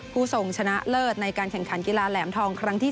ผู้ทรงชนะเลิศในการแข่งขันกีฬาแหลมทองครั้งที่๓